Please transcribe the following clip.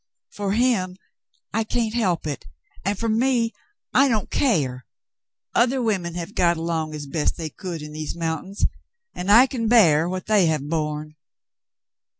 "For him — I can't help it; and for me, I don't care. Other women have got along as best they could in these mountains, and I can bear what they have borne."